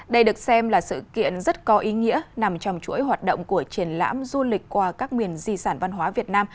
đây được xem là sự kiện rất có ý nghĩa nằm trong chuỗi hoạt động của triển lãm du lịch qua các miền di sản văn hóa việt nam